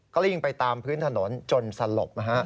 ก็รีบไปตามพื้นถนนจนสลบ